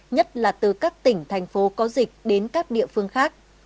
nhất là từ các tỉnh thành phố có dịch đến các địa phương khác